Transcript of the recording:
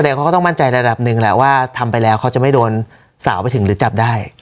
เขาก็ต้องมั่นใจระดับหนึ่งแหละว่าทำไปแล้วเขาจะไม่โดนสาวไปถึงหรือจับได้